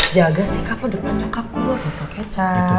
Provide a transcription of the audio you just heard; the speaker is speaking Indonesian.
jaga sikap lo depan nyokap gue botol kecap